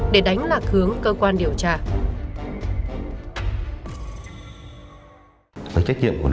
để đánh lạc hướng cơ quan điều tra